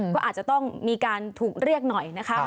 ก็อาจจะต้องมีการถูกเรียกหน่อยนะคะ